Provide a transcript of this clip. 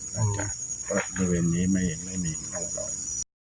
ในเวียงนี้ไม่ยังไม่มีกล้าวรอย